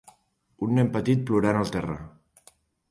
Un nen petit plorant al terra.